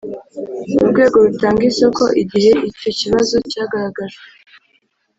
Urwego rutanga isoko igihe icyo kibazo cyagaragajwe